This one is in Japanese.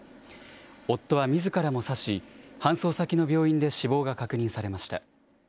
夫はみずからも刺し、搬送先の病院で死亡が確認されました。